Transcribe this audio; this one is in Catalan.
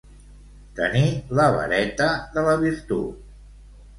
Tenir la vareta de la virtut.